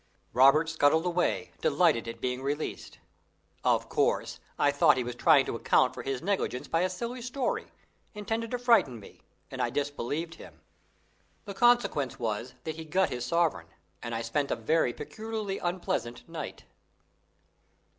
Robert scuttled away, delighted at being released. Of course, I thought he was trying to account for his negligence by a silly story, intended to frighten me, and I disbelieved him. The consequence was that he got his sovereign, and I spent a very peculiarly unpleasant night.